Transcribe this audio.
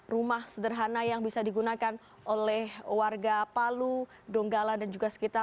rumah sederhana yang bisa digunakan oleh warga palu donggala dan juga sekitar